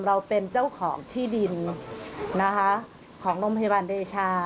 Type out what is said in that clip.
เราเป็นเจ้าของที่ดินนะคะของโรงพยาบาลเดชา